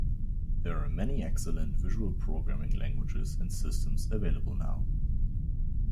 There are many excellent visual programming languages and systems available now.